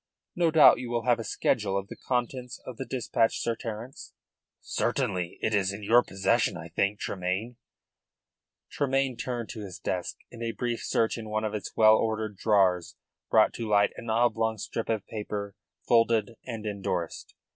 No doubt you will have a schedule of the contents of the dispatch, Sir Terence?" "Certainly. It is in your possession, I think, Tremayne." Tremayne turned to his desk, and a brief search in one of its well ordered drawers brought to light an oblong strip of paper folded and endorsed.